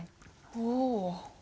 おお。